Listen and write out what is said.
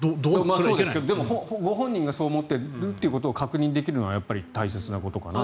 そうですがご本人がそう思っているって確認できるのは大切なことかなと。